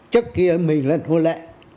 trước kia mình là thua lệ